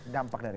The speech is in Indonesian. dampak dari itu